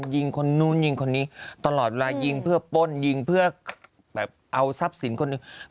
ยิงคนนู้นยิงคนนี้ตลอดเวลายิงเพื่อป้นยิงเพื่อแบบเอาทรัพย์สินคนหนึ่ง